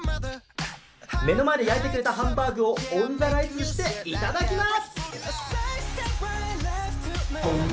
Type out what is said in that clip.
目の前で焼いてくれたハンバーグをオンザライスしていただきます！